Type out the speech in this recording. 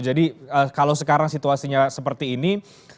jadi kalau sekarang situasinya seperti ini